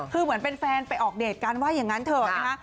คือเหมือนเป็นแฟนไปออกเดทกันว่าอย่างนั้นเถอะนะคะ